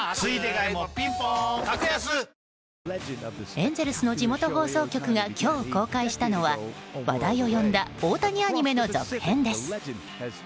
エンゼルスの地元放送局が今日公開したのは話題を読んだ大谷アニメの続編です。